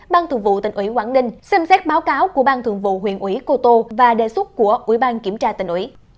ban thường vụ tỉnh ủy quảng ninh xem xét báo cáo của ban thường vụ huyện ủy cô tô và đề xuất của ủy ban kiểm tra tỉnh ủy